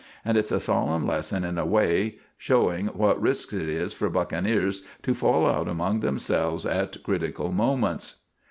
And it's a lesson in a way, showing what risks it is for buckeneers to fall out among themselves at kritikal moments.